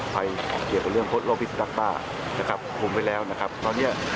แล้วก็คนก็ไม่รู้จักการรักษาตัวเอง